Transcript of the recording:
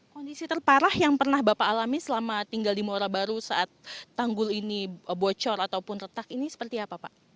kondisi terparah yang pernah bapak alami selama tinggal di muara baru saat tanggul ini bocor ataupun retak ini seperti apa pak